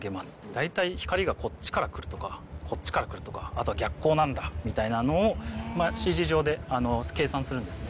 だいたい光がこっちから来るとかこっちから来るとかあとは逆光なんだみたいなのをＣＧ上で計算するんですね。